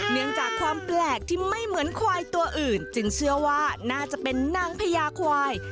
เนื่องจากความแปลกที่ไม่เหมือนควายตัวอื่นจึงเชื่อว่าน่าจะเป็นนางพญาควาย